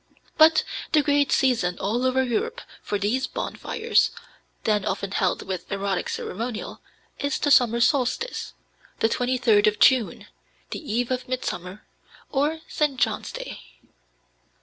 But the great season all over Europe for these bonfires, then often held with erotic ceremonial, is the summer solstice, the 23d of June, the eve of Midsummer, or St. John's Day.